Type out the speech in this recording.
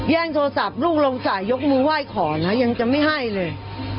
โทรศัพท์ลูกลงสายยกมือไหว้ขอนะยังจะไม่ให้เลย